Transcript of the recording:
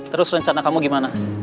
terus rencana kamu gimana